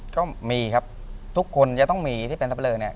ก็มีครับทุกคนจะต้องมีที่เป็นสับเลอเนี่ย